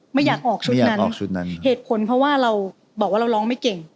ไม่อยากออกชุดนั้นออกชุดนั้นเหตุผลเพราะว่าเราบอกว่าเราร้องไม่เก่ง